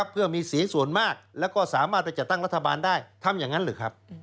เพื่อมีสีส่วนมากแล้วก็สามารถไปจัดตั้งรัฐบาลได้ทำอย่างนั้นหรือครับ